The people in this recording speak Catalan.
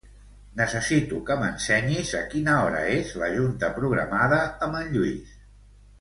Necessito que m'ensenyis a quina hora és la junta programada amb en Lluís.